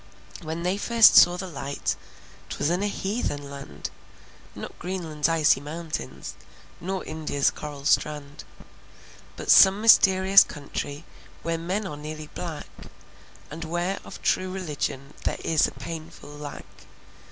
When they first saw the light, 'T was in a heathen land. Not Greenland's icy mountains, Nor India's coral strand, But some mysterious country Where men are nearly black And where of true religion, There is a painful lack.